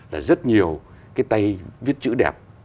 là rất nhiều cái tay viết chữ đẹp